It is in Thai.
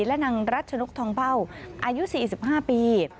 และนางรัชนกทองเบ้าอายุ๔๕ปี